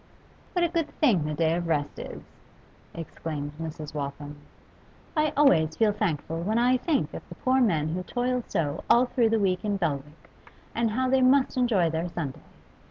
'What a good thing the day of rest is!' exclaimed Mrs. Waltham. 'I always feel thankful when I think of the poor men who toil so all through the week in Belwick, and how they must enjoy their Sunday.